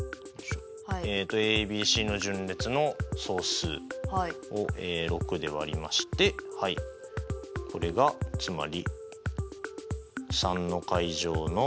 ＡＢＣの順列の総数を６で割りましてこれがつまり３の階乗のＰ。